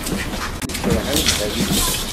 Tekṛeh anemhal-nnes.